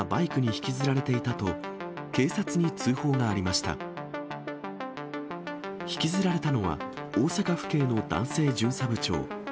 引きずられたのは、大阪府警の男性巡査部長。